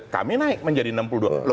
kami naik menjadi enam puluh dua persen